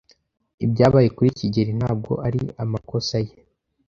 Ibyabaye kuri kigeli ntabwo ari amakosa ye.